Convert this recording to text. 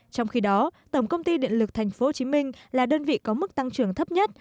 trong khi đó tổng công ty điện lực tp hcm là đơn vị có mức tăng trưởng thấp nhất